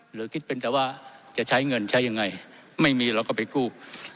หรือคิดเป็นแต่ว่าจะใช้เงินใช้ยังไงไม่มีเราก็ไปกู้